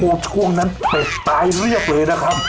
โอ้โหช่วงนั้นเป็ดตายเรียบเลยนะครับ